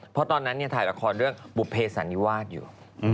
เพราะตอนนั้นถ่ายละครเรื่องบุภเพสันนิวาสอยู่